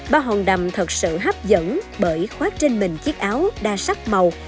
ba hòn đầm thật sự hấp dẫn bởi khoát trên mình chiếc áo đa sắc màu